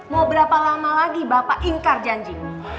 mau berapa lama lagi bapak ingkar janji